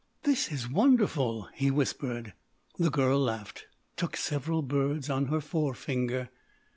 "This is wonderful," he whispered. The girl laughed, took several birds on her forefinger.